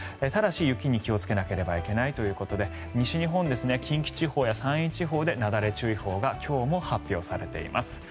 ただし、雪に気をつけなければいけないということで西日本、近畿地方や山陰地方でなだれ注意報が今日も発表されています。